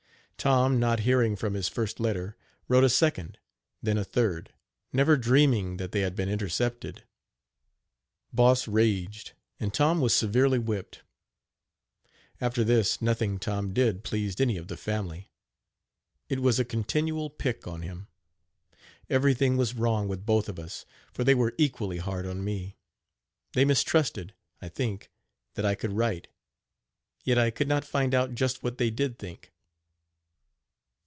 Tom, not hearing from his first letter, wrote a second, then a third, never dreaming that they had been intercepted. Boss raged and Tom was severely whipped. After this nothing Tom did pleased any of the family it was a continual pick on him. Everything was wrong with both of us, for they were equally hard on me. They mistrusted, I think, that I could write; yet I could not find out just what they did think.